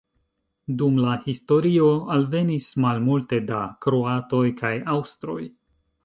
Dum la historio alvenis malmulte da kroatoj kaj aŭstroj.